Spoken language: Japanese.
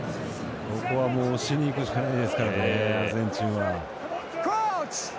ここはもう押しにいくしかないですからアルゼンチンは。